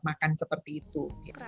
makan seperti itu